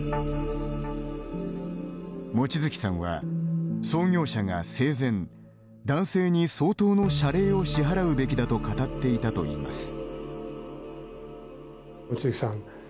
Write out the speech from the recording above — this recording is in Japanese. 望月さんは、創業者が生前男性に相当の謝礼を支払うべきだと語っていたといいます。